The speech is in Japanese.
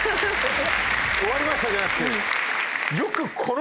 「終わりました」じゃなくて。